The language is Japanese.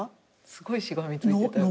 すごいしがみついてたよ。